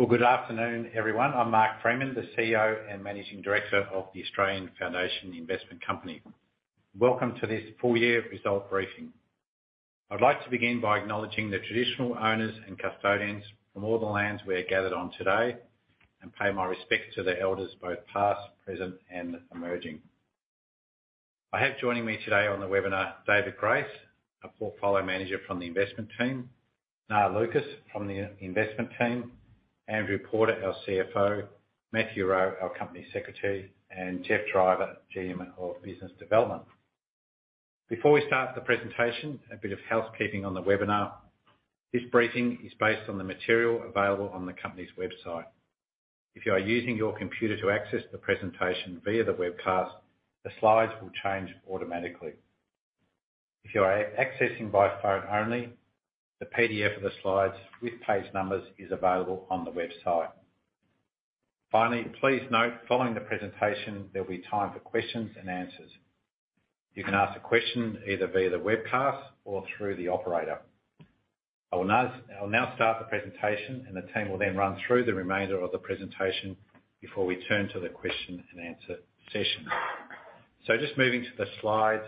Well, good afternoon, everyone. I'm Mark Freeman, the CEO and Managing Director of the Australian Foundation Investment Company. Welcome to this full year result briefing. I'd like to begin by acknowledging the traditional owners and custodians from all the lands we are gathered on today and pay my respects to the elders, both past, present, and emerging. I have joining me today on the webinar, David Grace, a portfolio manager from the investment team, Kieran Kennedy from the investment team, Andrew Porter, our CFO, Matthew Rowe, our Company Secretary, and Geoffrey Driver, GM of Business Development. Before we start the presentation, a bit of housekeeping on the webinar. This briefing is based on the material available on the company's website. If you are using your computer to access the presentation via the webcast, the slides will change automatically. If you are accessing by phone only, the PDF of the slides with page numbers is available on the website. Finally, please note, following the presentation, there'll be time for questions and answers. You can ask a question either via the webcast or through the operator. I'll now start the presentation, and the team will then run through the remainder of the presentation before we turn to the question-and-answer session. Just moving to the slides.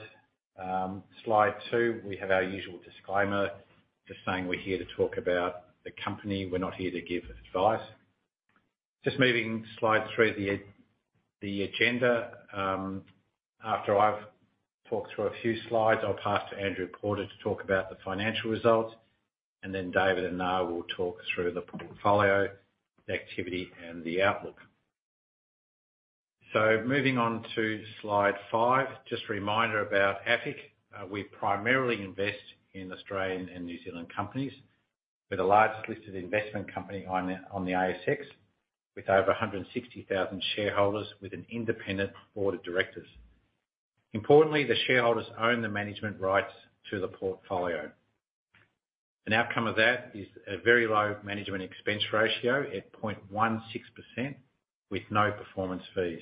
Slide two, we have our usual disclaimer. Just saying we're here to talk about the company, we're not here to give advice. Just moving to slide three, the agenda, after I've talked through a few slides, I'll pass to Andrew Porter to talk about the financial results, and then David and Nga will talk through the portfolio activity and the outlook. Moving on to slide five, just a reminder about AFIC. We primarily invest in Australian and New Zealand companies. We're the largest listed investment company on the ASX with over 160,000 shareholders with an independent board of directors. Importantly, the shareholders own the management rights to the portfolio. An outcome of that is a very low management expense ratio at 0.16% with no performance fees.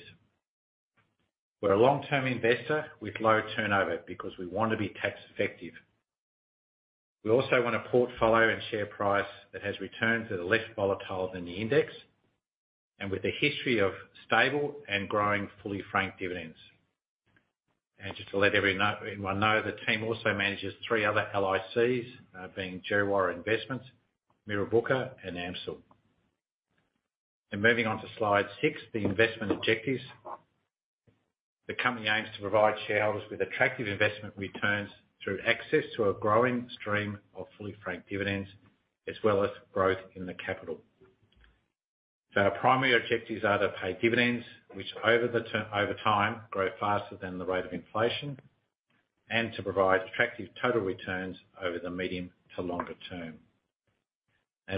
We're a long-term investor with low turnover because we want to be tax effective. We also want a portfolio and share price that has returns that are less volatile than the index and with a history of stable and growing fully franked dividends. Just to let everyone know, the team also manages three other LICs, being Djerriwarrh Investments, Mirrabooka, and AMCIL. Moving on to slide six, the investment objectives. The company aims to provide shareholders with attractive investment returns through access to a growing stream of fully franked dividends, as well as growth in the capital. Our primary objectives are to pay dividends, which over time, grow faster than the rate of inflation, and to provide attractive total returns over the medium to longer term.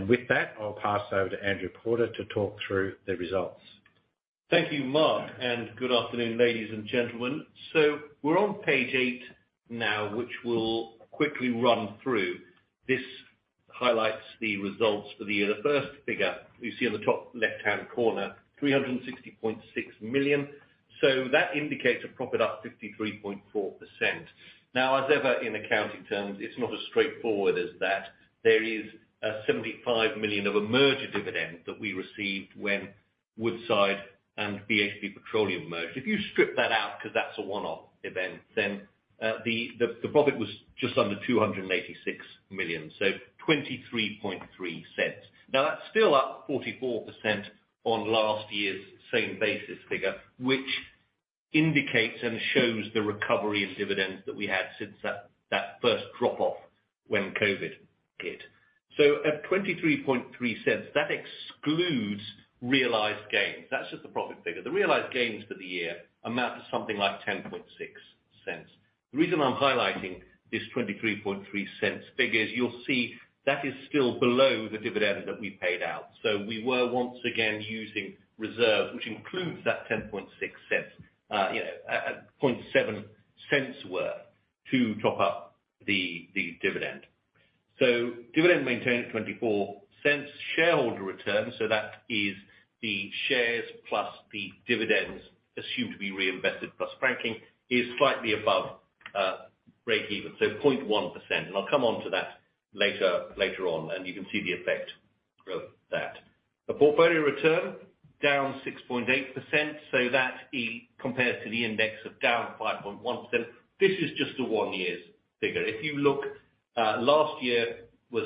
With that, I'll pass over to Andrew Porter to talk through the results. Thank you, Mark, and good afternoon, ladies and gentlemen. We're on page 8 now, which we'll quickly run through. This highlights the results for the year. The first figure you see on the top left-hand corner, 360.6 million. That indicates a profit up 53.4%. Now, as ever in accounting terms, it's not as straightforward as that. There is 75 million demerger dividend that we received when Woodside and BHP Petroleum merged. If you strip that out because that's a one-off event, then the profit was just under 286 million, so 0.233. Now, that's still up 44% on last year's same basis figure, which indicates and shows the recovery of dividends that we had since that first drop off when COVID hit. At 23.3 cents, that excludes realized gains. That's just the profit figure. The realized gains for the year amount to something like 10.6 cents. The reason I'm highlighting this 23.3 cents figure is you'll see that is still below the dividend that we paid out. We were once again using reserves, which includes that 10.6 cents, 0.7 cents worth to top up the dividend. Dividend maintained at 24 cents. Shareholder returns, so that is the shares plus the dividends assumed to be reinvested plus franking is slightly above breakeven, so 0.1%. I'll come onto that later on. You can see the effect of that. The portfolio return down 6.8%, so that it compares to the index of down 5.1%. This is just a one-year's figure. If you look, last year was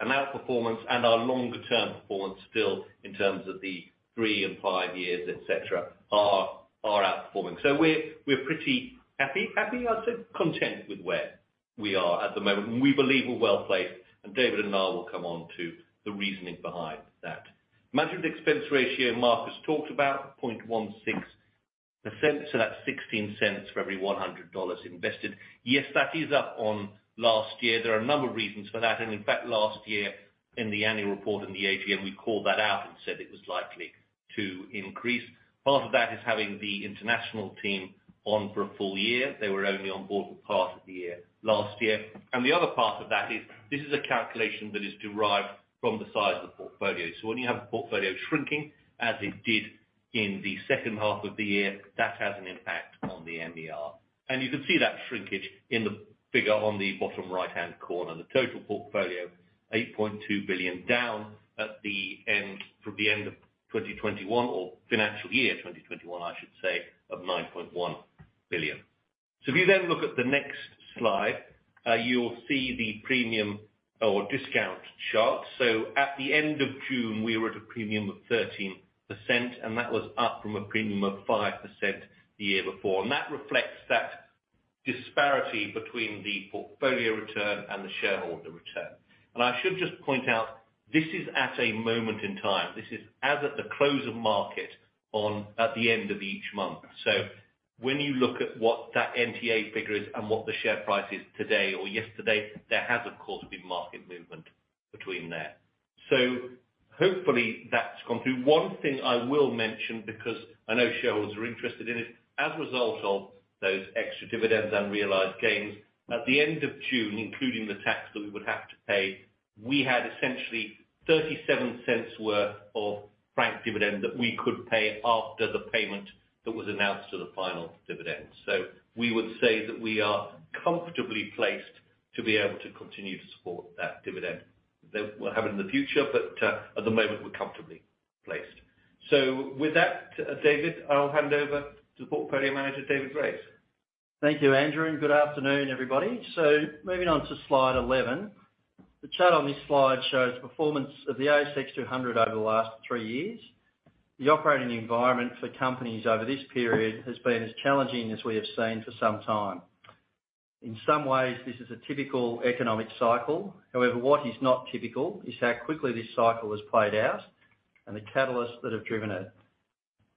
an outperformance, and our longer-term performance still in terms of the three and five years, et cetera, are outperforming. We're pretty happy. Happy? I'd say content with where we are at the moment. We believe we're well-placed, and David and Nga will come on to the reasoning behind that. Management expense ratio, Mark has talked about, 0.16%, so that's 0.16 for every 100 dollars invested. Yes, that is up on last year. There are a number of reasons for that. In fact, last year in the annual report and the AGM, we called that out and said it was likely to increase. Part of that is having the international team on for a full year. They were only on board for part of the year last year. The other part of that is, this is a calculation that is derived from the size of the portfolio. When you have a portfolio shrinking as it did in the second half of the year, that has an impact on the MER. You can see that shrinkage in the figure on the bottom right-hand corner. The total portfolio, 8.2 billion, down at the end from the end of 2021 or financial year 2021, I should say, of 9.1 billion. If you then look at the next slide, you'll see the premium or discount chart. At the end of June, we were at a premium of 13%, and that was up from a premium of 5% the year before. That reflects that disparity between the portfolio return and the shareholder return. I should just point out, this is at a moment in time. This is as of the close of market on at the end of each month. When you look at what that NTA figure is and what the share price is today or yesterday, there has, of course, been market movement between there. Hopefully that's come through. One thing I will mention because I know shareholders are interested in it, as a result of those extra dividends and realized gains, at the end of June, including the tax that we would have to pay, we had essentially 0.37 worth of franked dividend that we could pay after the payment that was announced to the final dividend. We would say that we are comfortably placed to be able to continue to support that dividend that we'll have in the future. At the moment, we're comfortably placed. With that, David, I'll hand over to the Portfolio Manager, David Grace. Thank you, Andrew, and good afternoon, everybody. Moving on to slide 11. The chart on this slide shows performance of the ASX 200 over the last three years. The operating environment for companies over this period has been as challenging as we have seen for some time. In some ways, this is a typical economic cycle. However, what is not typical is how quickly this cycle has played out and the catalysts that have driven it.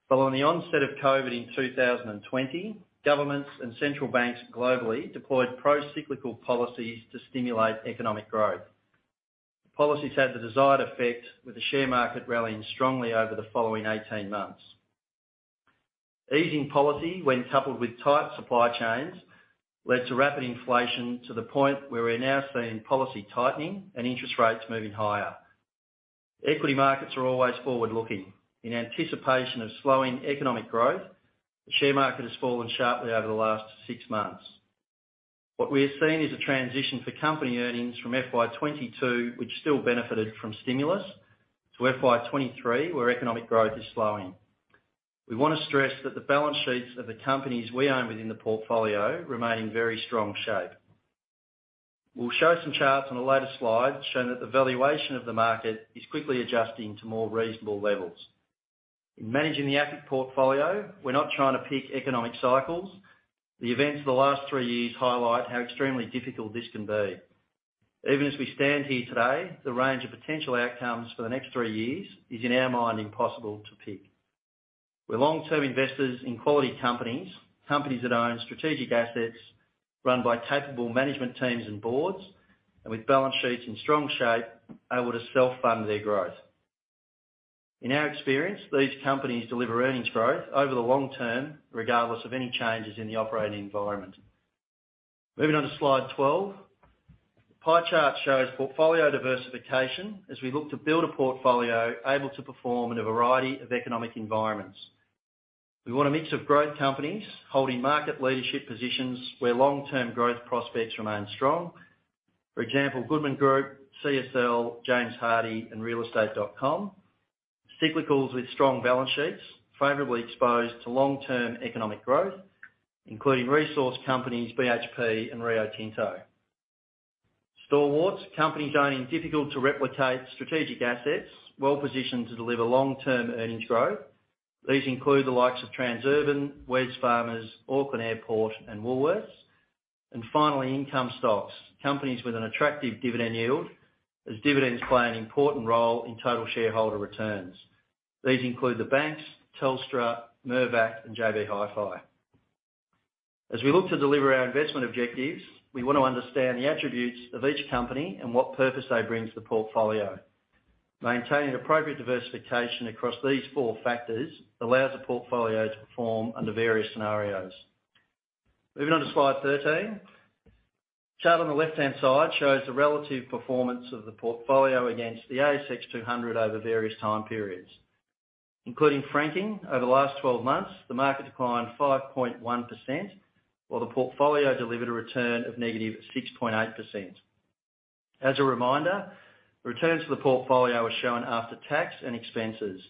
Following the onset of COVID in 2020, governments and central banks globally deployed pro-cyclical policies to stimulate economic growth. Policies had the desired effect, with the share market rallying strongly over the following 18 months. Easing policy, when coupled with tight supply chains, led to rapid inflation to the point where we're now seeing policy tightening and interest rates moving higher. Equity markets are always forward-looking. In anticipation of slowing economic growth, the share market has fallen sharply over the last six months. What we are seeing is a transition for company earnings from FY22, which still benefited from stimulus, to FY23, where economic growth is slowing. We wanna stress that the balance sheets of the companies we own within the portfolio remain in very strong shape. We'll show some charts on a later slide showing that the valuation of the market is quickly adjusting to more reasonable levels. In managing the AFIC portfolio, we're not trying to pick economic cycles. The events of the last three years highlight how extremely difficult this can be. Even as we stand here today, the range of potential outcomes for the next three years is, in our mind, impossible to pick. We're long-term investors in quality companies that own strategic assets run by capable management teams and boards, and with balance sheets in strong shape, able to self-fund their growth. In our experience, these companies deliver earnings growth over the long term, regardless of any changes in the operating environment. Moving on to slide 12. The pie chart shows portfolio diversification as we look to build a portfolio able to perform in a variety of economic environments. We want a mix of growth companies holding market leadership positions where long-term growth prospects remain strong. For example, Goodman Group, CSL, James Hardie, and REA Group. Cyclicals with strong balance sheets favorably exposed to long-term economic growth, including resource companies, BHP and Rio Tinto. Stalwarts, companies owning difficult-to-replicate strategic assets, well-positioned to deliver long-term earnings growth. These include the likes of Transurban, Wesfarmers, Auckland Airport, and Woolworths. Finally, income stocks, companies with an attractive dividend yield, as dividends play an important role in total shareholder returns. These include the banks, Telstra, Mirvac, and JB Hi-Fi. As we look to deliver our investment objectives, we want to understand the attributes of each company and what purpose they bring to the portfolio. Maintaining appropriate diversification across these four factors allows the portfolio to perform under various scenarios. Moving on to slide 13. Chart on the left-hand side shows the relative performance of the portfolio against the ASX 200 over various time periods. Including franking, over the last 12 months, the market declined 5.1%, while the portfolio delivered a return of -6.8%. As a reminder, the returns for the portfolio are shown after tax and expenses.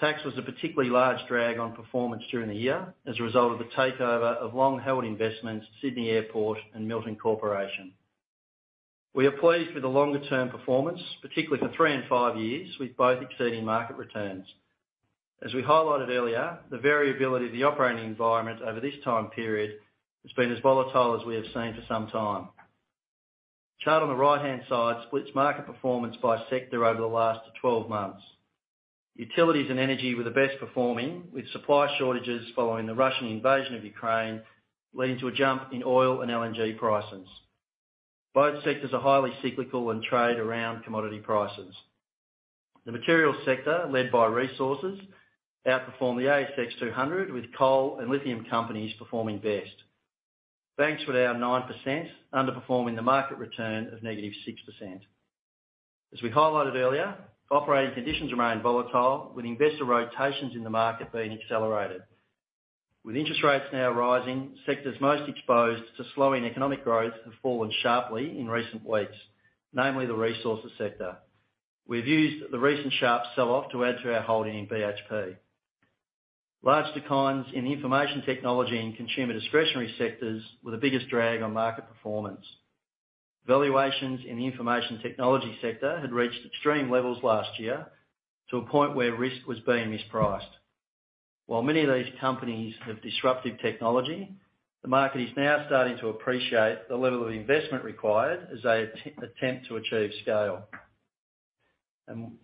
Tax was a particularly large drag on performance during the year as a result of the takeover of long-held investments, Sydney Airport and Milton Corporation. We are pleased with the longer-term performance, particularly for three and five years, with both exceeding market returns. As we highlighted earlier, the variability of the operating environment over this time period has been as volatile as we have seen for some time. Chart on the right-hand side splits market performance by sector over the last 12 months. Utilities and energy were the best performing, with supply shortages following the Russian invasion of Ukraine, leading to a jump in oil and LNG prices. Both sectors are highly cyclical and trade around commodity prices. The materials sector, led by resources, outperformed the ASX 200, with coal and lithium companies performing best. Banks were down 9%, underperforming the market return of -6%. As we highlighted earlier, operating conditions remain volatile with investor rotations in the market being accelerated. With interest rates now rising, sectors most exposed to slowing economic growth have fallen sharply in recent weeks, namely the Resources sector. We've used the recent sharp sell-off to add to our holding in BHP. Larger losses in Information Technology and Consumer Discretionary sectors were the biggest drag on market performance. Valuations in the Information Technology sector had reached extreme levels last year to a point where risk was being mispriced. While many of these companies have disruptive technology, the market is now starting to appreciate the level of investment required as they attempt to achieve scale.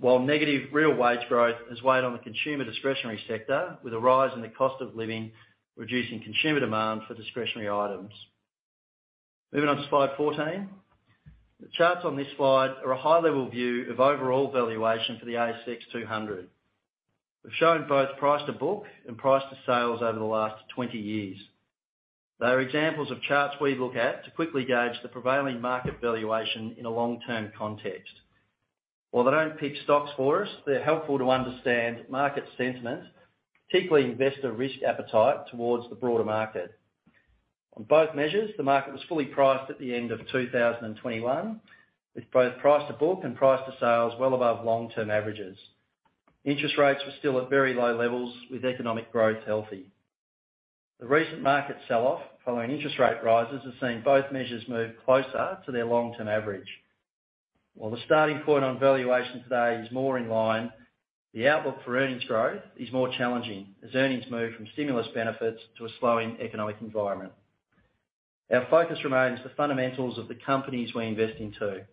While negative real wage growth has weighed on the consumer discretionary sector with a rise in the cost of living, reducing consumer demand for discretionary items. Moving on to slide 14. The charts on this slide are a high-level view of overall valuation for the ASX 200. They've shown both price to book and price to sales over the last 20 years. They are examples of charts we look at to quickly gauge the prevailing market valuation in a long-term context. While they don't pick stocks for us, they're helpful to understand market sentiment, particularly investor risk appetite towards the broader market. On both measures, the market was fully priced at the end of 2021, with both price to book and price to sales well above long-term averages. Interest rates were still at very low levels with economic growth healthy. The recent market sell-off following interest rate rises has seen both measures move closer to their long-term average. While the starting point on valuation today is more in line, the outlook for earnings growth is more challenging as earnings move from stimulus benefits to a slowing economic environment. Our focus remains the fundamentals of the companies we invest into.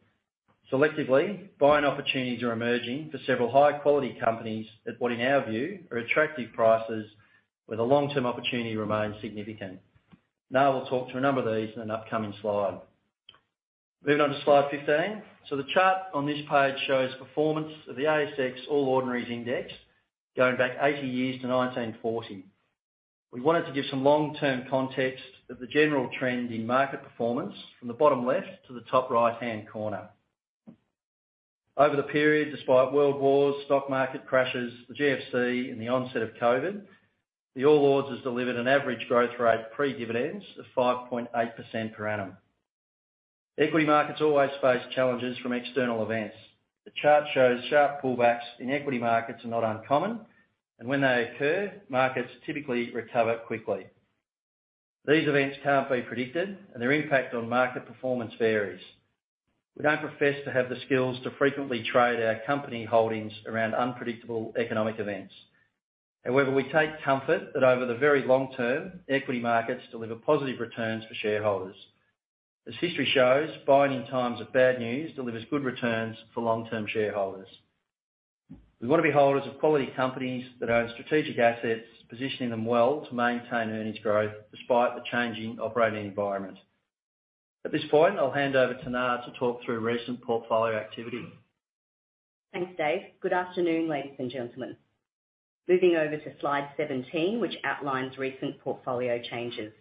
Selectively, buying opportunities are emerging for several high-quality companies at what in our view, are attractive prices where the long-term opportunity remains significant. Now we'll talk to a number of these in an upcoming slide. Moving on to slide 15. The chart on this page shows performance of the ASX All Ordinaries Index going back 80 years to 1940. We wanted to give some long-term context of the general trend in market performance from the bottom left to the top right-hand corner. Over the period, despite world wars, stock market crashes, the GFC, and the onset of COVID, the All Ords has delivered an average growth rate pre-dividends of 5.8% per annum. Equity markets always face challenges from external events. The chart shows sharp pullbacks in equity markets are not uncommon, and when they occur, markets typically recover quickly. These events can't be predicted, and their impact on market performance varies. We don't profess to have the skills to frequently trade our company holdings around unpredictable economic events. However, we take comfort that over the very long term, equity markets deliver positive returns for shareholders. As history shows, buying in times of bad news delivers good returns for long-term shareholders. We wanna be holders of quality companies that own strategic assets, positioning them well to maintain earnings growth despite the changing operating environment. At this point, I'll hand over to Nga Lucas to talk through recent portfolio activity. Thanks, Dave. Good afternoon, ladies and gentlemen. Moving over to slide 17, which outlines recent portfolio changes.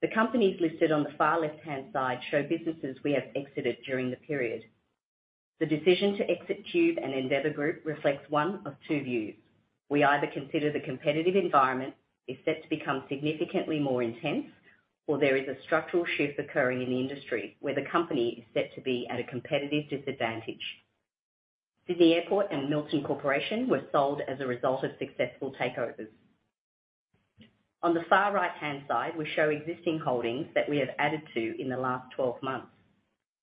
The companies listed on the far left-hand side show businesses we have exited during the period. The decision to exit Qube and Endeavour Group reflects one of two views. We either consider the competitive environment is set to become significantly more intense or there is a structural shift occurring in the industry where the company is set to be at a competitive disadvantage. Sydney Airport and Milton Corporation were sold as a result of successful takeovers. On the far right-hand side, we show existing holdings that we have added to in the last 12 months.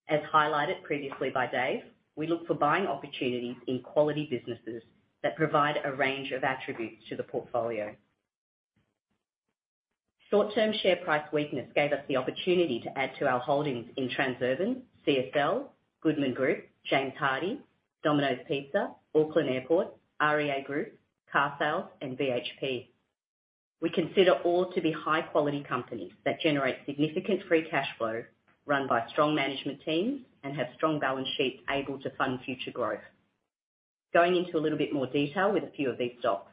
As highlighted previously by Dave, we look for buying opportunities in quality businesses that provide a range of attributes to the portfolio. Short-term share price weakness gave us the opportunity to add to our holdings in Transurban, CSL, Goodman Group, James Hardie, Domino's Pizza, Auckland Airport, REA Group, carsales.com, and BHP. We consider all to be high-quality companies that generate significant free cash flow, run by strong management teams, and have strong balance sheets able to fund future growth. Going into a little bit more detail with a few of these stocks.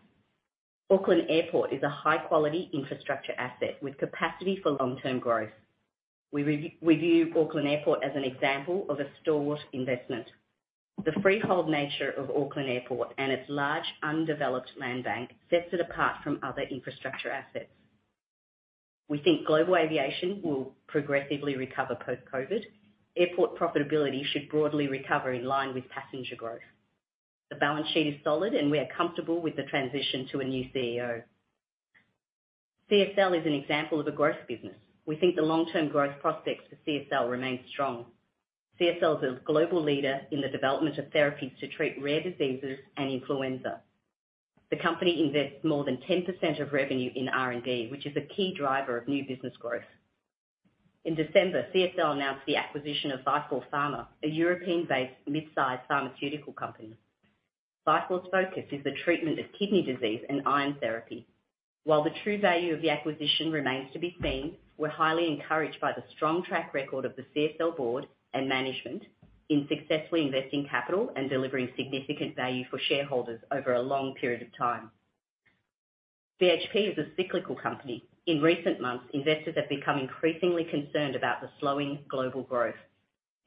Auckland Airport is a high-quality infrastructure asset with capacity for long-term growth. We view Auckland Airport as an example of a stored investment. The freehold nature of Auckland Airport and its large undeveloped land bank sets it apart from other infrastructure assets. We think global aviation will progressively recover post-COVID. Airport profitability should broadly recover in line with passenger growth. The balance sheet is solid, and we are comfortable with the transition to a new CEO. CSL is an example of a growth business. We think the long-term growth prospects for CSL remains strong. CSL is a global leader in the development of therapies to treat rare diseases and influenza. The company invests more than 10% of revenue in R&D, which is a key driver of new business growth. In December, CSL announced the acquisition of Vifor Pharma, a European-based mid-sized pharmaceutical company. Vifor's focus is the treatment of kidney disease and iron therapy. While the true value of the acquisition remains to be seen, we're highly encouraged by the strong track record of the CSL board and management in successfully investing capital and delivering significant value for shareholders over a long period of time. BHP is a cyclical company. In recent months, investors have become increasingly concerned about the slowing global growth.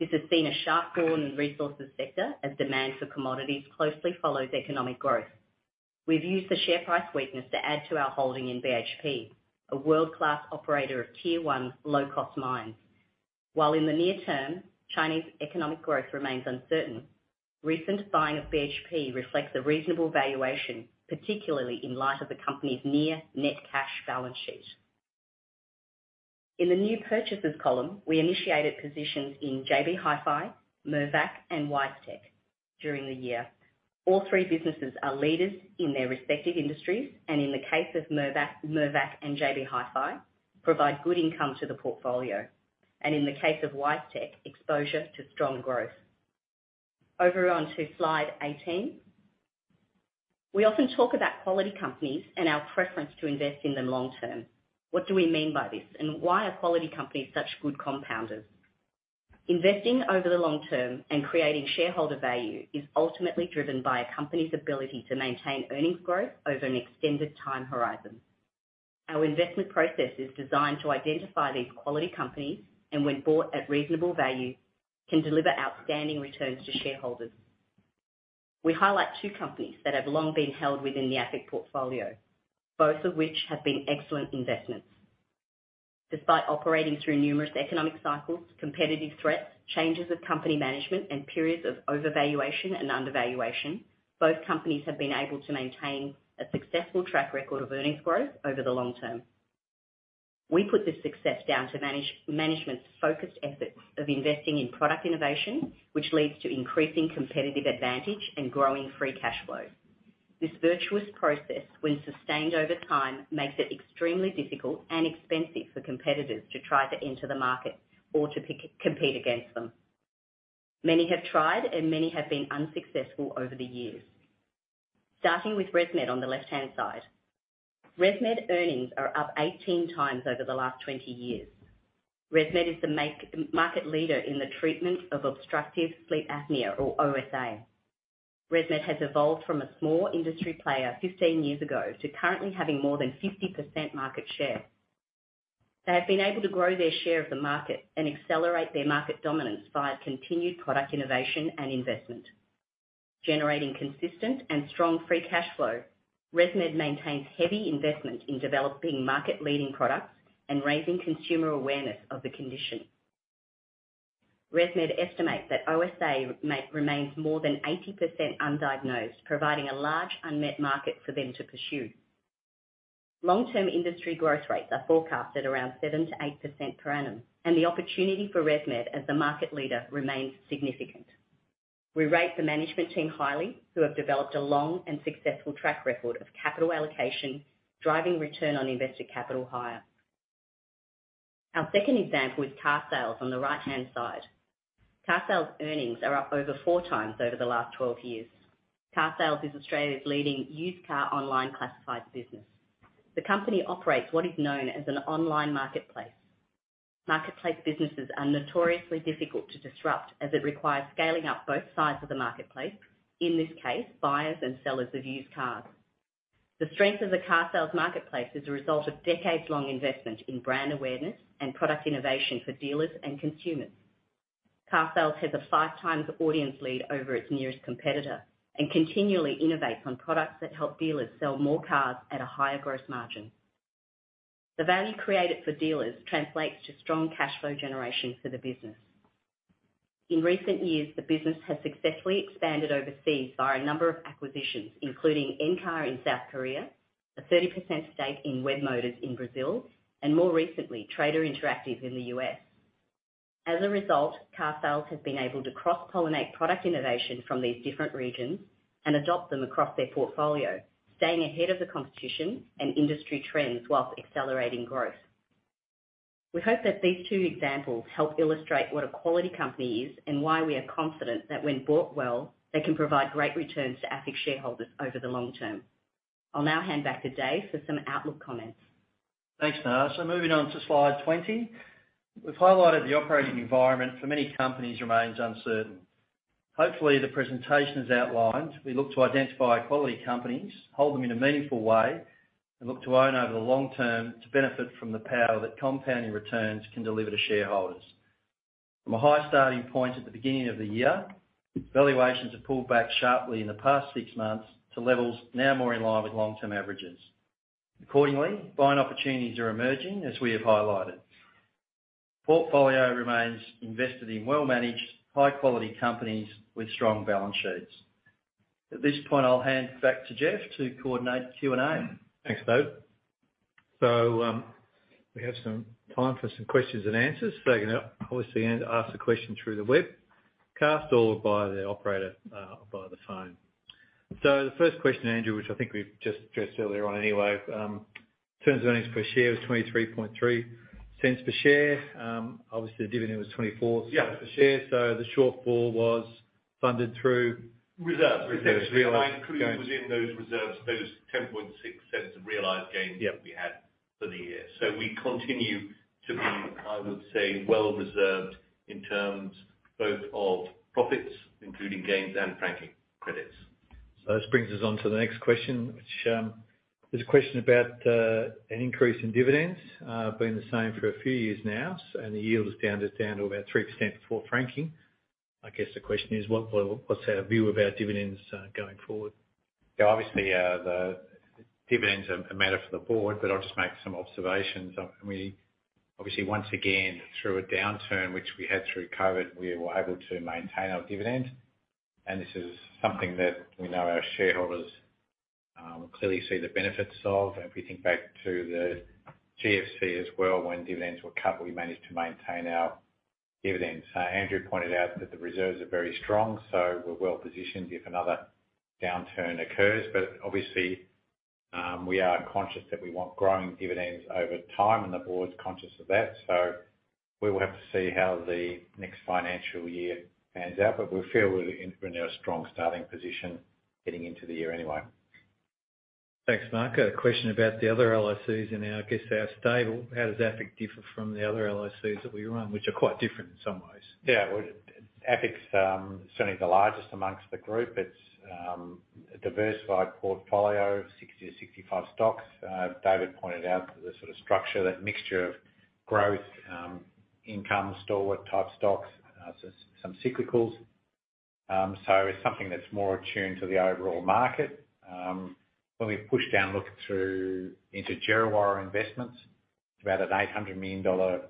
This has seen a sharp fall in resources sector as demand for commodities closely follows economic growth. We've used the share price weakness to add to our holding in BHP, a world-class operator of tier one low-cost mines. While in the near term, Chinese economic growth remains uncertain, recent buying of BHP reflects a reasonable valuation, particularly in light of the company's near net cash balance sheet. In the new purchases column, we initiated positions in JB Hi-Fi, Mirvac and WiseTech during the year. All three businesses are leaders in their respective industries, and in the case of Mirvac and JB Hi-Fi, provide good income to the portfolio, and in the case of WiseTech, exposure to strong growth. Over onto slide 18. We often talk about quality companies and our preference to invest in them long term. What do we mean by this, and why are quality companies such good compounders? Investing over the long term and creating shareholder value is ultimately driven by a company's ability to maintain earnings growth over an extended time horizon. Our investment process is designed to identify these quality companies, and when bought at reasonable value, can deliver outstanding returns to shareholders. We highlight two companies that have long been held within the AFIC portfolio, both of which have been excellent investments. Despite operating through numerous economic cycles, competitive threats, changes of company management, and periods of overvaluation and undervaluation, both companies have been able to maintain a successful track record of earnings growth over the long term. We put this success down to management's focused efforts of investing in product innovation, which leads to increasing competitive advantage and growing free cash flow. This virtuous process, when sustained over time, makes it extremely difficult and expensive for competitors to try to enter the market or to compete against them. Many have tried and many have been unsuccessful over the years. Starting with ResMed on the left-hand side. ResMed earnings are up 18 times over the last 20 years. ResMed is the market leader in the treatment of obstructive sleep apnea or OSA. ResMed has evolved from a small industry player 15 years ago to currently having more than 50% market share. They have been able to grow their share of the market and accelerate their market dominance via continued product innovation and investment. Generating consistent and strong free cash flow, ResMed maintains heavy investment in developing market-leading products and raising consumer awareness of the condition. ResMed estimates that OSA might remain more than 80% undiagnosed, providing a large unmet market for them to pursue. Long-term industry growth rates are forecasted around 7%-8% per annum, and the opportunity for ResMed as the market leader remains significant. We rate the management team highly, who have developed a long and successful track record of capital allocation, driving return on invested capital higher. Our second example is carsales.com on the right-hand side. carsales.com earnings are up over four times over the last 12 years. carsales.com is Australia's leading used car online classified business. The company operates what is known as an online marketplace. Marketplace businesses are notoriously difficult to disrupt as it requires scaling up both sides of the marketplace, in this case, buyers and sellers of used cars. The strength of the Carsales marketplace is a result of decades-long investment in brand awareness and product innovation for dealers and consumers. Carsales has a 5x audience lead over its nearest competitor and continually innovates on products that help dealers sell more cars at a higher gross margin. The value created for dealers translates to strong cash flow generation for the business. In recent years, the business has successfully expanded overseas via a number of acquisitions, including Encar in South Korea, a 30% stake in Webmotors in Brazil, and more recently, Trader Interactive in the U.S. As a result, Carsales has been able to cross-pollinate product innovation from these different regions and adopt them across their portfolio, staying ahead of the competition and industry trends while accelerating growth. We hope that these two examples help illustrate what a quality company is and why we are confident that when bought well, they can provide great returns to AFIC shareholders over the long term. I'll now hand back to Dave for some outlook comments. Thanks, Nga. Moving on to slide 20. We've highlighted the operating environment for many companies remains uncertain. Hopefully, the presentation has outlined, we look to identify quality companies, hold them in a meaningful way, and look to own over the long term to benefit from the power that compounding returns can deliver to shareholders. From a high starting point at the beginning of the year, valuations have pulled back sharply in the past six months to levels now more in line with long-term averages. Accordingly, buying opportunities are emerging, as we have highlighted. Portfolio remains invested in well-managed, high-quality companies with strong balance sheets. At this point, I'll hand back to Geoffrey Driver to coordinate Q&A. Thanks, Dave. We have some time for some questions and answers. If I can obviously ask the question through the webcast or by the operator by the phone. The first question, Andrew, which I think we've just addressed earlier on anyway, in terms of earnings per share was 0.233 per share. Obviously the dividend was 24- Yeah. Cents per share. The shortfall was funded through. Reserves essentially. Reserves, got you. I include within those reserves, those 0.106 of realized gains. Yeah. That we had for the year. We continue to be, I would say, well reserved in terms both of profits, including gains and franking credits. This brings us on to the next question, which is a question about an increase in dividends, been the same for a few years now, and the yield is down to about 3% before franking. I guess the question is, what's our view about dividends going forward? Yeah, obviously, the dividends are a matter for the board, but I'll just make some observations. We obviously once again through a downturn which we had through COVID, we were able to maintain our dividend, and this is something that we know our shareholders clearly see the benefits of. If we think back to the GFC as well, when dividends were cut, we managed to maintain our dividends. Andrew pointed out that the reserves are very strong, so we're well-positioned if another downturn occurs. Obviously, we are conscious that we want growing dividends over time, and the board's conscious of that. We will have to see how the next financial year pans out. We feel we're in a strong starting position getting into the year anyway. Thanks, Mark. A question about the other LICs in our, I guess, our stable. How does AFIC differ from the other LICs that we run, which are quite different in some ways? Yeah. Well, AFIC's certainly the largest among the group. It's a diversified portfolio of 60-65 stocks. David pointed out the sort of structure, that mixture of growth, income, stalwart-type stocks, so some cyclicals. It's something that's more attuned to the overall market. When we push down, look through into Djerriwarrh Investments, it's about an 800 million dollar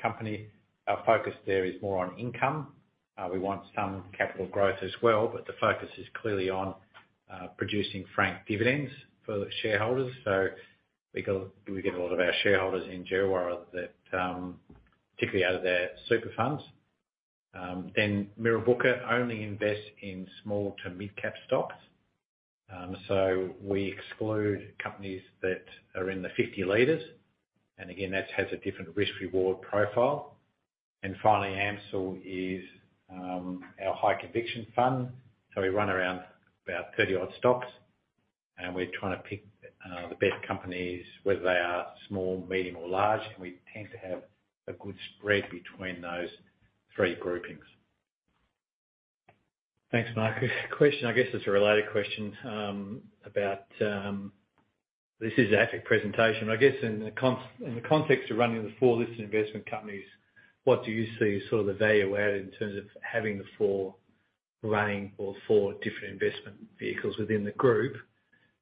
company. Our focus there is more on income. We want some capital growth as well, but the focus is clearly on producing franked dividends for the shareholders. We get a lot of our shareholders in Djerriwarrh that particularly out of their super funds. Mirrabooka only invests in small to mid-cap stocks. We exclude companies that are in the fifty leaders, and again, that has a different risk-reward profile. Finally, AMCIL is our high conviction fund. We run around about 30-odd stocks, and we're trying to pick the best companies, whether they are small, medium or large, and we tend to have a good spread between those three groupings. Thanks, Mark. A question, I guess it's a related question, about. This is the AFIC presentation. I guess in the context of running the four listed investment companies, what do you see is sort of the value add in terms of having the four running or four different investment vehicles within the group?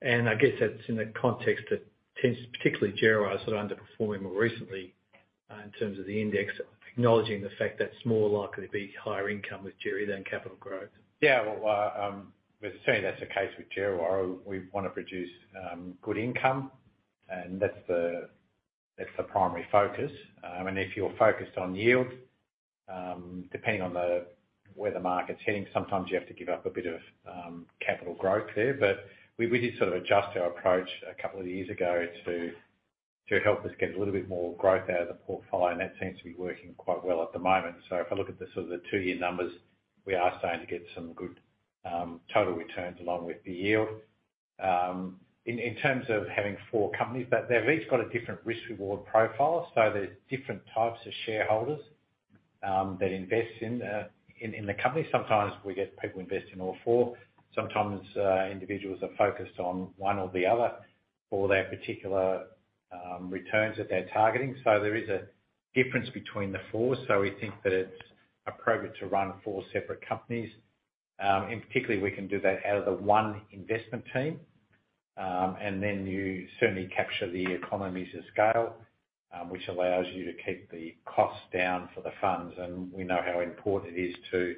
I guess that's in the context that tends, particularly Djerriwarrh sort of underperforming more recently, in terms of the index, acknowledging the fact that's more likely to be higher income with Djerriwarrh than capital growth. Yeah. Well, we're assuming that's the case with Djerriwarrh. We wanna produce good income, and that's the primary focus. If you're focused on yield, depending on where the market's heading, sometimes you have to give up a bit of capital growth there. We did sort of adjust our approach a couple of years ago to help us get a little bit more growth out of the portfolio, and that seems to be working quite well at the moment. If I look at the sort of the two-year numbers, we are starting to get some good total returns along with the yield. In terms of having four companies, they've each got a different risk-reward profile. There's different types of shareholders that invest in the company. Sometimes we get people invest in all four. Sometimes, individuals are focused on one or the other for their particular, returns that they're targeting. There is a difference between the four. We think that it's appropriate to run four separate companies. Particularly we can do that out of the one investment team. Then you certainly capture the economies of scale, which allows you to keep the costs down for the funds. We know how important it is to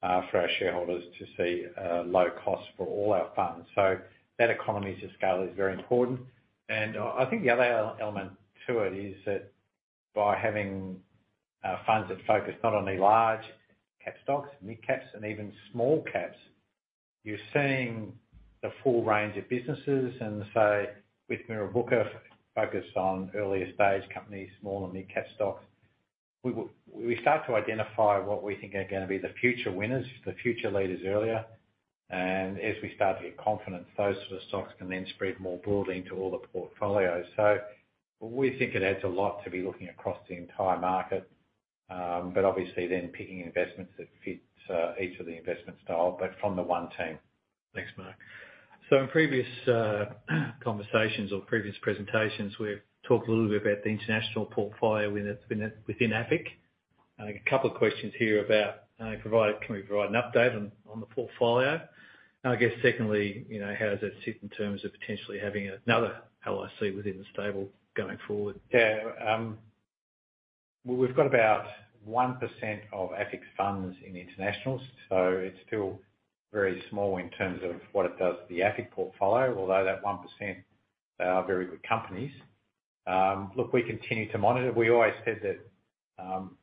for our shareholders to see, low costs for all our funds. That economies of scale is very important. I think the other element to it is that by having funds that focus not only large-cap stocks, mid-caps and even small caps, you're seeing the full range of businesses. With Mirrabooka focused on earlier stage companies, small and mid-cap stocks, we start to identify what we think are gonna be the future winners, the future leaders earlier. As we start to get confidence, those sort of stocks can then spread more broadly into all the portfolios. We think it adds a lot to be looking across the entire market, but obviously then picking investments that fits each of the investment style, but from the one team. Thanks, Mark. In previous conversations or previous presentations, we've talked a little bit about the international portfolio within AFIC. A couple of questions here about can we provide an update on the portfolio? I guess secondly, you know, how does it sit in terms of potentially having another LIC within the stable going forward? Yeah. Well, we've got about 1% of AFIC's funds in internationals, so it's still very small in terms of what it does to the AFIC portfolio. Although that 1% are very good companies. Look, we continue to monitor. We always said that,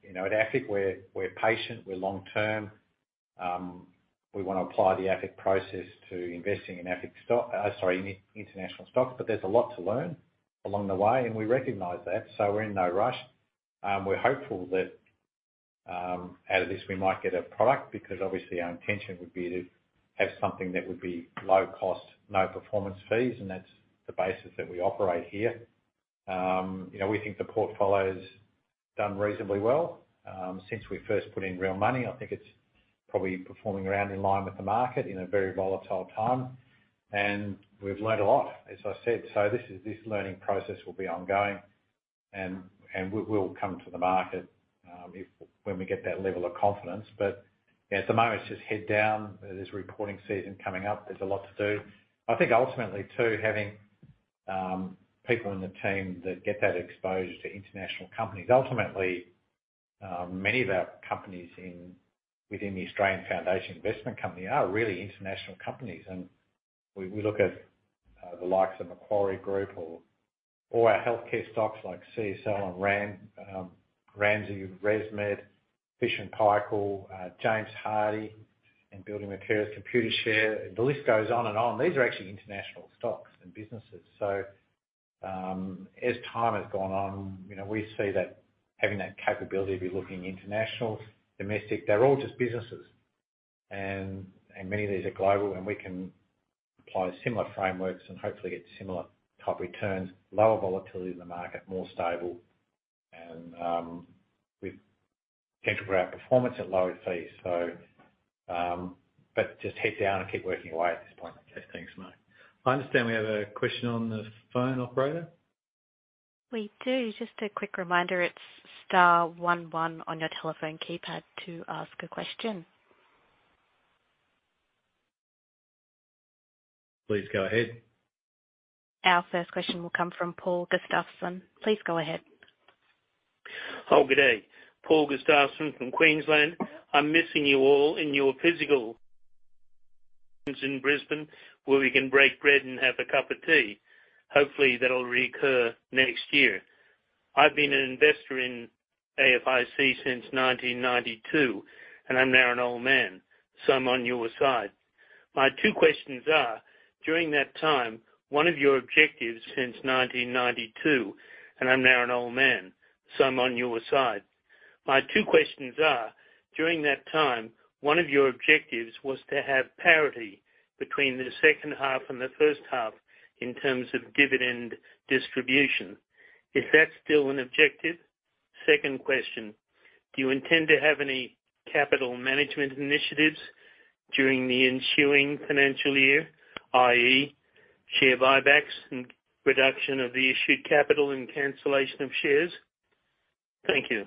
you know, at AFIC we're patient, we're long term. We wanna apply the AFIC process to investing in international stocks, but there's a lot to learn along the way, and we recognize that, so we're in no rush. We're hopeful that out of this, we might get a product because obviously our intention would be to have something that would be low cost, no performance fees, and that's the basis that we operate here. You know, we think the portfolio's done reasonably well, since we first put in real money. I think it's probably performing around in line with the market in a very volatile time. We've learned a lot, as I said, so this learning process will be ongoing. We'll come to the market when we get that level of confidence. You know, at the moment, it's just head down. There's recording season coming up. There's a lot to do. I think ultimately too, having people in the team that get that exposure to international companies. Ultimately, many of our companies in, within the Australian Foundation Investment Company are really international companies. We look at the likes of Macquarie Group or our healthcare stocks like CSL and Ramsay, ResMed, Fisher & Paykel, James Hardie and building materials, Computershare, the list goes on and on. These are actually international stocks and businesses. As time has gone on, you know, we see that having that capability to be looking international, domestic, they're all just businesses. Many of these are global, and we can apply similar frameworks and hopefully get similar type returns, lower volatility in the market, more stable, and we've potential for our performance at lower fees. Just head down and keep working away at this point. Okay. Thanks, mate. I understand we have a question on the phone, operator. We do. Just a quick reminder, it's star one one on your telephone keypad to ask a question. Please go ahead. Our first question will come from Paul Gustafson. Please go ahead. Oh, good day. Paul Gustafson from Queensland. I'm missing you all in your physical times in Brisbane, where we can break bread and have a cup of tea. Hopefully, that'll recur next year. I've been an investor in AFIC since 1992, and I'm now an old man, so I'm on your side. My two questions are. During that time, one of your objectives was to have parity between the second half and the first half in terms of dividend distribution. Is that still an objective? Second question. Do you intend to have any capital management initiatives during the ensuing financial year, i.e., share buybacks and reduction of the issued capital and cancellation of shares? Thank you.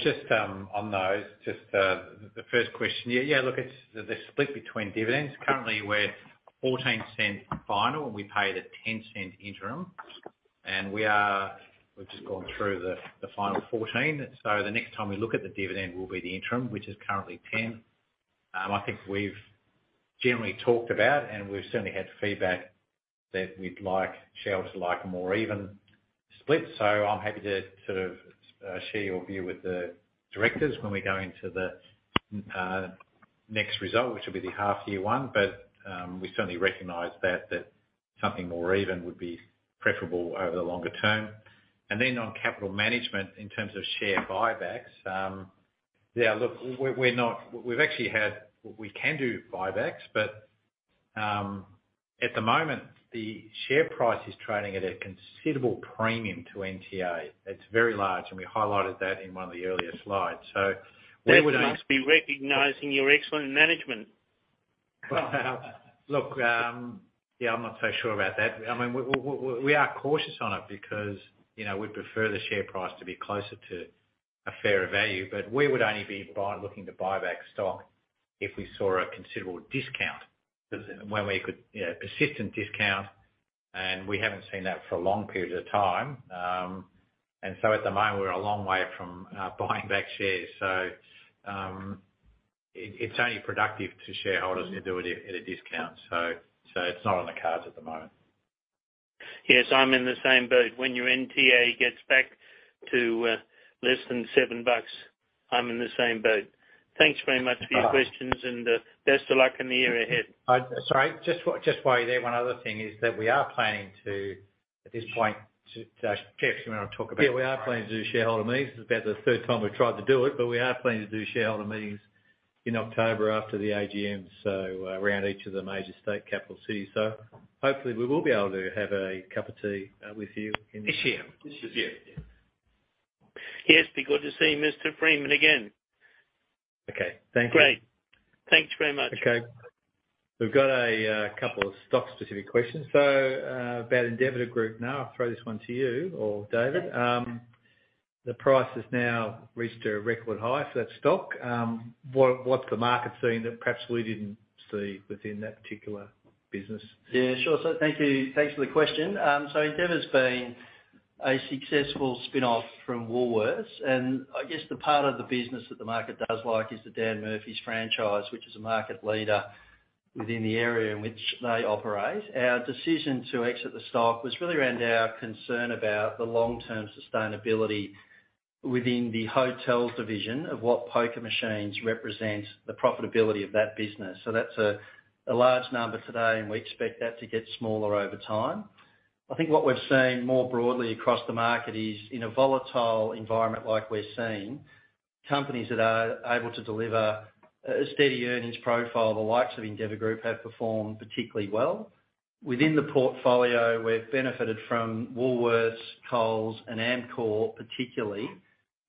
Just on those, the first question. Yeah, look, it's the split between dividends. Currently, we're 0.14 final, and we paid a 0.10 interim. We've just gone through the final 14. The next time we look at the dividend will be the interim, which is currently 10. I think we've generally talked about, and we've certainly had feedback that shareholders like a more even split. I'm happy to sort of share your view with the directors when we go into the next result, which will be the half year one. We certainly recognize that something more even would be preferable over the longer term. Then on capital management, in terms of share buybacks, yeah, look, we're not. We've actually had... We can do buybacks, but at the moment, the share price is trading at a considerable premium to NTA. It's very large, and we highlighted that in one of the earlier slides. We would only- They must be recognizing your excellent management. Look, yeah, I'm not so sure about that. I mean, we are cautious on it because, you know, we'd prefer the share price to be closer to a fairer value. We would only be looking to buy back stock if we saw a considerable discount, 'cause then when we could, you know, persistent discount, and we haven't seen that for long periods of time. At the moment, we're a long way from buying back shares. It's only productive to shareholders if you do it at a discount. It's not on the cards at the moment. Yes, I'm in the same boat. When your NTA gets back to less than AUD seven, I'm in the same boat. Thanks very much for your questions and best of luck in the year ahead. Sorry. Just while you're there, one other thing is that we are planning to, at this point, to, Jeff, do you wanna talk about- Yeah, we are planning to do shareholder meetings. This is about the third time we've tried to do it, but we are planning to do shareholder meetings in October after the AGM, so around each of the major state capital cities. Hopefully we will be able to have a cup of tea with you in. This year. This year, yeah. Yes, be good to see Mr. Freeman again. Okay. Thank you. Great. Thanks very much. Okay. We've got a couple of stock-specific questions. About Endeavour Group now. I'll throw this one to you or David. The price has now reached a record high for that stock. What's the market seeing that perhaps we didn't see within that particular business? Yeah, sure. Thank you. Thanks for the question. Endeavour's been a successful spinoff from Woolworths, and I guess the part of the business that the market does like is the Dan Murphy's franchise, which is a market leader within the area in which they operate. Our decision to exit the stock was really around our concern about the long-term sustainability within the hotel division of what poker machines represent the profitability of that business. That's a large number today, and we expect that to get smaller over time. I think what we're seeing more broadly across the market is, in a volatile environment like we're seeing, companies that are able to deliver a steady earnings profile, the likes of Endeavour Group, have performed particularly well. Within the portfolio, we've benefited from Woolworths, Coles, and Amcor particularly,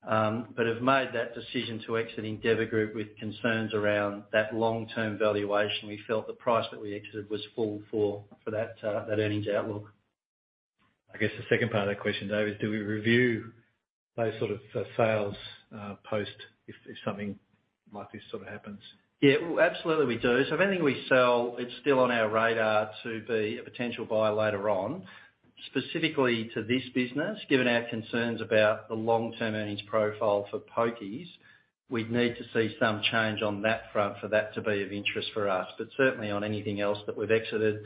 but have made that decision to exit Endeavour Group with concerns around that long-term valuation. We felt the price that we exited was full for that earnings outlook. I guess the second part of that question, Dave, is, do we review those sort of sales post, if something like this sort of happens? Yeah. Well, absolutely we do. If anything we sell, it's still on our radar to be a potential buy later on. Specifically to this business, given our concerns about the long-term earnings profile for pokies, we'd need to see some change on that front for that to be of interest for us. Certainly on anything else that we've exited,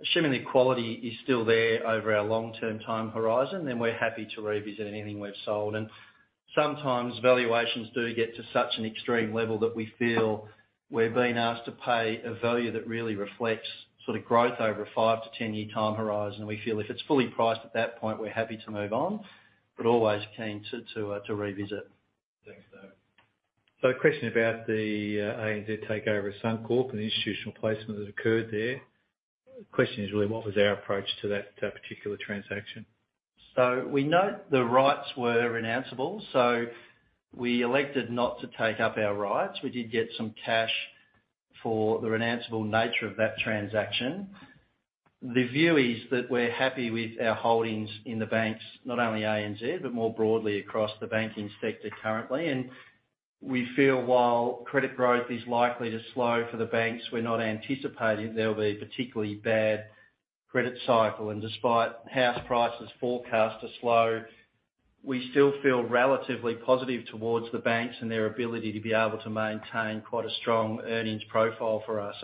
assuming the quality is still there over our long-term time horizon, then we're happy to revisit anything we've sold. Sometimes valuations do get to such an extreme level that we feel we're being asked to pay a value that really reflects sort of growth over a 5-to-10-year time horizon. We feel if it's fully priced at that point, we're happy to move on, but always keen to revisit. Thanks, Dave. A question about the ANZ takeover of Suncorp and the institutional placement that occurred there. Question is really what was our approach to that particular transaction? We note the rights were renounceable, so we elected not to take up our rights. We did get some cash for the renounceable nature of that transaction. The view is that we're happy with our holdings in the banks, not only ANZ, but more broadly across the banking sector currently. We feel while credit growth is likely to slow for the banks, we're not anticipating there'll be a particularly bad credit cycle. Despite house prices forecast to slow, we still feel relatively positive towards the banks and their ability to be able to maintain quite a strong earnings profile for us.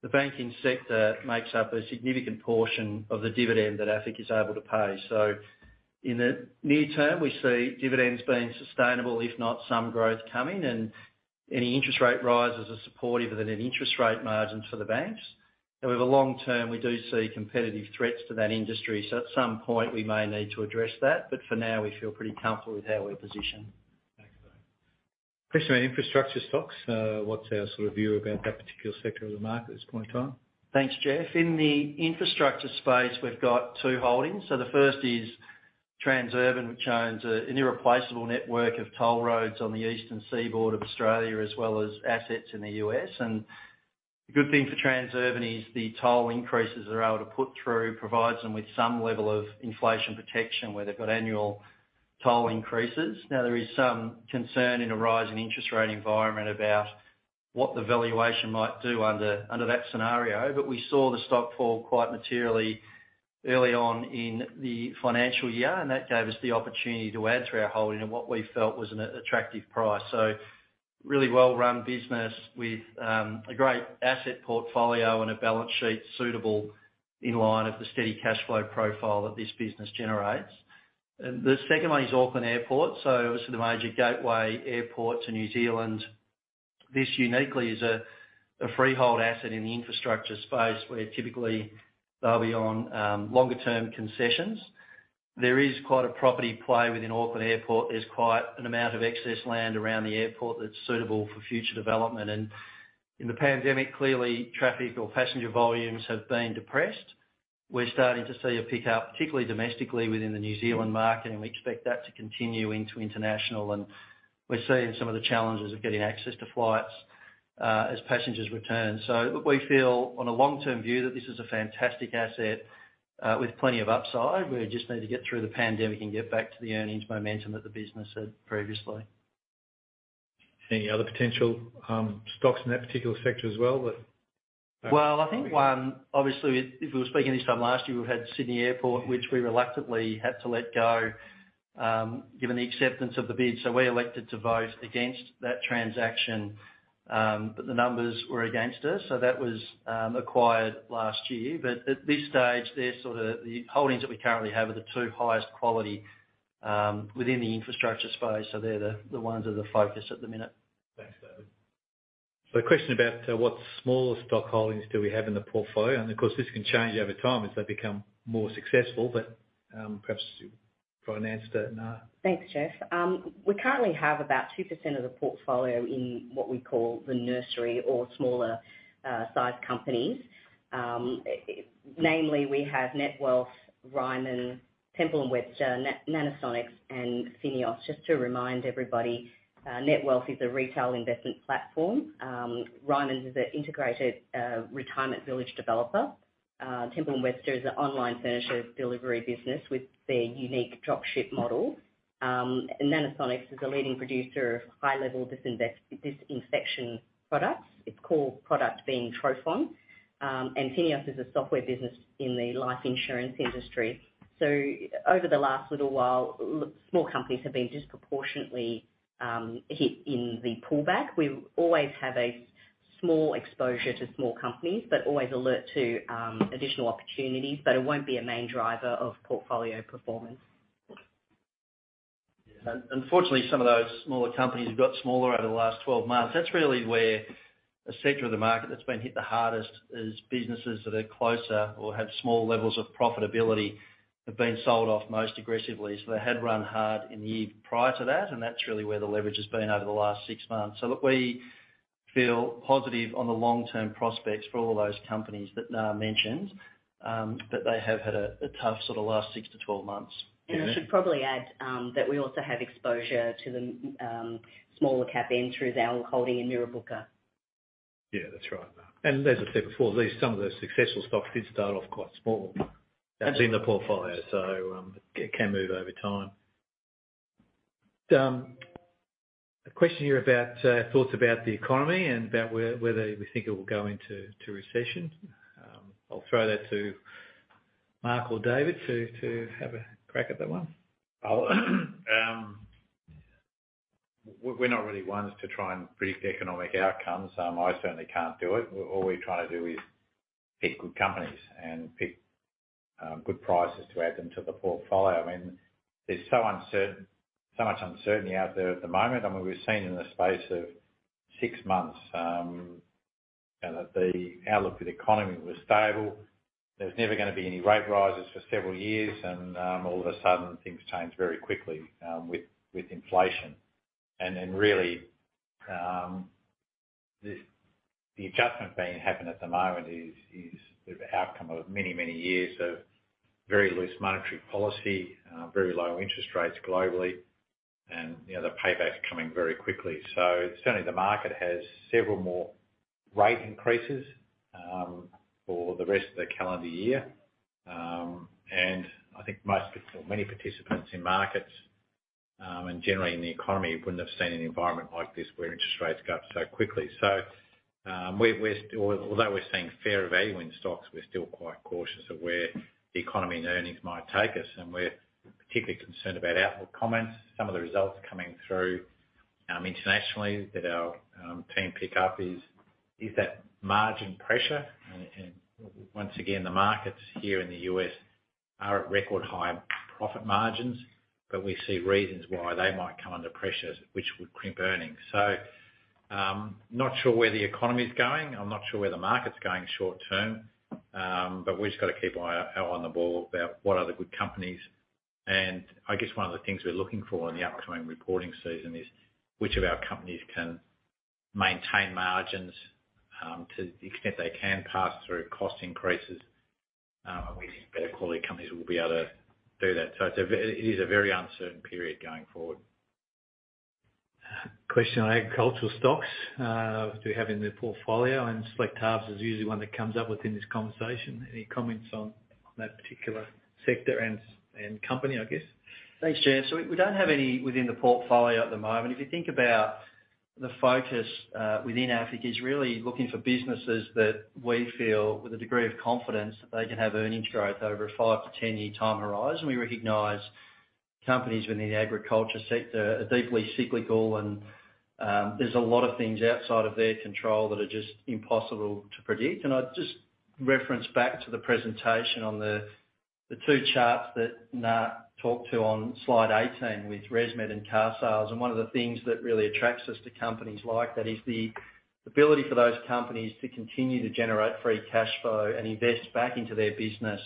The banking sector makes up a significant portion of the dividend that AFIC is able to pay. In the near term, we see dividends being sustainable, if not some growth coming, and any interest rate rises are supportive of an interest rate margin for the banks. However, long term, we do see competitive threats to that industry, so at some point we may need to address that, but for now we feel pretty comfortable with how we're positioned. Thanks, Dave. Question about infrastructure stocks. What's our sort of view about that particular sector of the market at this point in time? Thanks, Jeff. In the infrastructure space, we've got two holdings. The first is Transurban, which owns an irreplaceable network of toll roads on the eastern seaboard of Australia, as well as assets in the U.S. The good thing for Transurban is the toll increases they're able to put through provides them with some level of inflation protection where they've got annual toll increases. Now, there is some concern in a rising interest rate environment about what the valuation might do under that scenario. We saw the stock fall quite materially early on in the financial year, and that gave us the opportunity to add to our holding at what we felt was an attractive price. Really well-run business with a great asset portfolio and a balance sheet suitable in line of the steady cash flow profile that this business generates. The second one is Auckland Airport, so obviously the major gateway airport to New Zealand. This uniquely is a freehold asset in the infrastructure space where typically they'll be on longer term concessions. There is quite a property play within Auckland Airport. There's quite an amount of excess land around the airport that's suitable for future development. In the pandemic, clearly traffic or passenger volumes have been depressed. We're starting to see a pickup, particularly domestically within the New Zealand market, and we expect that to continue into international. We're seeing some of the challenges of getting access to flights as passengers return. We feel on a long-term view that this is a fantastic asset with plenty of upside. We just need to get through the pandemic and get back to the earnings momentum that the business had previously. Any other potential stocks in that particular sector as well that- Well, I think one, obviously if we were speaking this time last year, we've had Sydney Airport, which we reluctantly had to let go, given the acceptance of the bid. We elected to vote against that transaction, but the numbers were against us, so that was acquired last year. At this stage, the holdings that we currently have are the two highest quality within the infrastructure space, so they're the ones that are the focus at the minute. Thanks, David. A question about what smaller stock holdings do we have in the portfolio? Of course, this can change over time as they become more successful, but perhaps you finance that, Nga? Thanks, Jeff. We currently have about 2% of the portfolio in what we call the nursery or smaller sized companies. Namely we have Netwealth, Ryman, Temple & Webster, Nanosonics, and Fineos. Just to remind everybody, Netwealth is a retail investment platform. Ryman is an integrated retirement village developer. Temple & Webster is an online furniture delivery business with their unique drop ship model. Nanosonics is a leading producer of high-level disinfection products, its core product being Trophon. Fineos is a software business in the life insurance industry. Over the last little while, small companies have been disproportionately hit in the pullback. We always have a small exposure to small companies, but always alert to additional opportunities, but it won't be a main driver of portfolio performance. Unfortunately, some of those smaller companies have got smaller over the last 12 months. That's really where a sector of the market that's been hit the hardest is businesses that are closer or have small levels of profitability have been sold off most aggressively. They had run hard in the year prior to that, and that's really where the leverage has been over the last six months. Look, we feel positive on the long-term prospects for all those companies that mentioned, but they have had a tough sort of last six to 12 months. I should probably add that we also have exposure to the small-cap equities, our holding in Mirrabooka. Yeah, that's right. As I said before, these, some of those successful stocks did start off quite small. Absolutely That's in the portfolio. It can move over time. A question here about thoughts about the economy and about where whether we think it will go into recession. I'll throw that to Mark or David to have a crack at that one. We're not really ones to try and predict economic outcomes. I certainly can't do it. All we try to do is pick good companies and pick good prices to add them to the portfolio. I mean, there's so much uncertainty out there at the moment, and we've seen in the space of six months, you know, the outlook for the economy was stable. There's never gonna be any rate rises for several years, and all of a sudden things changed very quickly with inflation. Really, the adjustment being happened at the moment is the outcome of many years of very loose monetary policy, very low interest rates globally and, you know, the payback's coming very quickly. Certainly the market has several more rate increases for the rest of the calendar year. I think most or many participants in markets and generally in the economy wouldn't have seen an environment like this where interest rates go up so quickly. We're still, although we're seeing fair value in stocks, quite cautious of where the economy and earnings might take us, and we're particularly concerned about forward comments. Some of the results coming through internationally that our team picks up is that margin pressure. Once again, the markets here in the U.S. are at record high profit margins, but we see reasons why they might come under pressure, which would crimp earnings. Not sure where the economy's going. I'm not sure where the market's going short-term, but we've just gotta keep an eye on the ball about what are the good companies. I guess one of the things we're looking for in the upcoming reporting season is which of our companies can maintain margins, to the extent they can pass through cost increases. We think better quality companies will be able to do that. It's a very uncertain period going forward. Question on agricultural stocks, do we have in the portfolio, and Select Harvests is usually one that comes up within this conversation. Any comments on that particular sector and company, I guess? Thanks, Jeff. We don't have any within the portfolio at the moment. If you think about the focus within AFIC is really looking for businesses that we feel with a degree of confidence that they can have earnings growth over a 5-10-year time horizon. We recognize companies within the agriculture sector are deeply cyclical and there's a lot of things outside of their control that are just impossible to predict. I'd just reference back to the presentation on the two charts that Nat talked to on slide 18 with ResMed and carsales. One of the things that really attracts us to companies like that is the ability for those companies to continue to generate free cash flow and invest back into their business,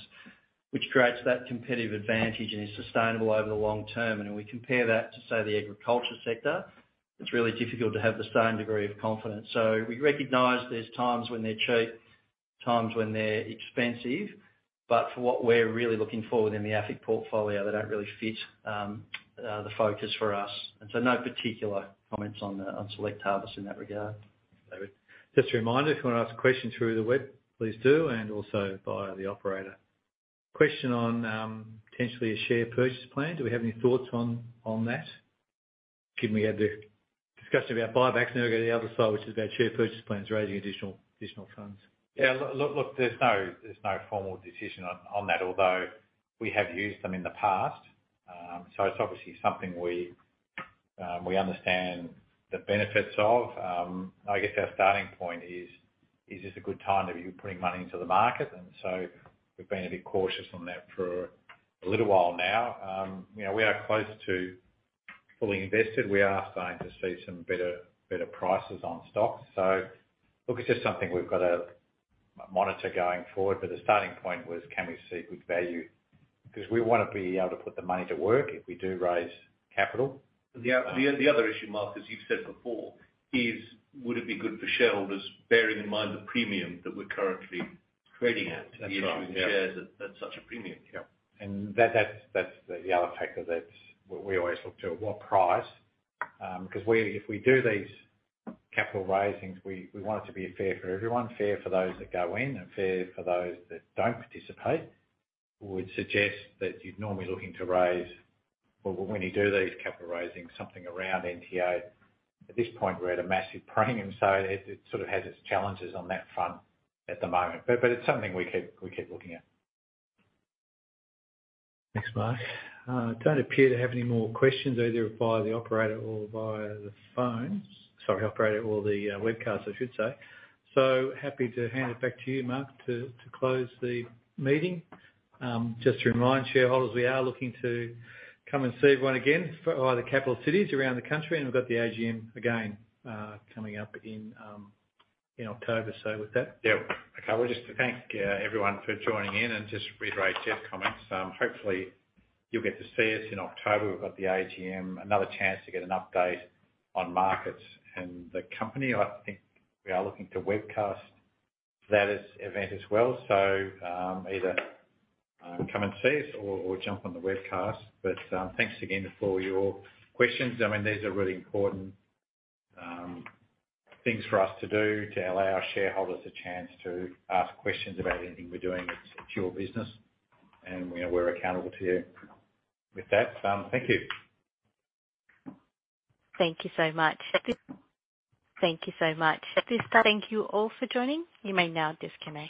which creates that competitive advantage and is sustainable over the long term. When we compare that to, say, the agriculture sector, it's really difficult to have the same degree of confidence. We recognize there's times when they're cheap, times when they're expensive, but for what we're really looking for within the AFIC portfolio, they don't really fit the focus for us. No particular comments on Select Harvests in that regard. David. Just a reminder, if you wanna ask a question through the web, please do, and also via the operator. Question on potentially a share purchase plan. Do we have any thoughts on that? Given we had the discussion about buybacks. Now we go to the other side, which is about share purchase plans, raising additional funds. Yeah. Look, there's no formal decision on that, although we have used them in the past. So it's obviously something we understand the benefits of. I guess our starting point is this a good time to be putting money into the market? We've been a bit cautious on that for a little while now. You know, we are close to fully invested. We are starting to see some better prices on stocks. Look, it's just something we've got to monitor going forward, but the starting point was, can we see good value? 'Cause we wanna be able to put the money to work if we do raise capital. The other issue, Mark, as you've said before, is would it be good for shareholders bearing in mind the premium that we're currently trading at? That's right, yeah. The issuing shares at such a premium. Yeah. That's the other factor that we always look to, what price? 'Cause if we do these capital raisings, we want it to be fair for everyone, fair for those that go in and fair for those that don't participate. Would suggest that you'd normally looking to raise, when you do these capital raisings, something around NTA. At this point, we're at a massive premium, so it sort of has its challenges on that front at the moment. It's something we keep looking at. Thanks, Mark. Don't appear to have any more questions either via the operator or via the phone. Sorry, operator or the webcast, I should say. Happy to hand it back to you, Mark, to close the meeting. Just to remind shareholders, we are looking to come and see everyone again for either capital cities around the country, and we've got the AGM again, coming up in October. With that. Well, just to thank everyone for joining in and just reiterate Geoffrey's comments. Hopefully you'll get to see us in October. We've got the AGM, another chance to get an update on markets and the company. I think we are looking to webcast that event as well. Either come and see us or jump on the webcast. Thanks again for your questions. I mean, these are really important things for us to do to allow our shareholders a chance to ask questions about anything we're doing. It's your business and, you know, we're accountable to you. With that, thank you. Thank you so much. At this time, thank you all for joining. You may now disconnect.